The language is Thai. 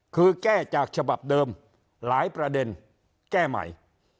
คือแก้จากฉบับเดิมหลายประเด็นแก้ใหม่